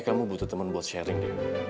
kamu butuh teman buat sharing deh